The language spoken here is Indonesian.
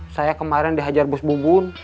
saya kemarin dihajar bus bubun